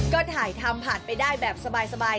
ก็ถ่ายทำผ่านไปได้แบบสบาย